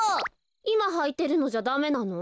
いまはいてるのじゃダメなの？